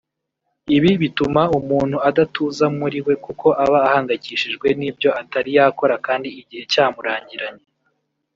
Ibi bituma umuntu adatuza muri we kuko aba ahangayikishijwe n’ibyo atari yakora kandi igihe cyamurangiranye